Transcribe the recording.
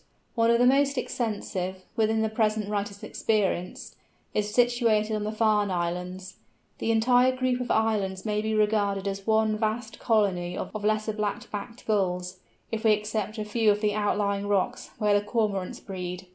One of the most extensive, within the present writer's experience, is situated on the Farne Islands. The entire group of islands may be regarded as one vast colony of Lesser Black backed Gulls, if we except a few of the outlying rocks, where the Cormorants breed.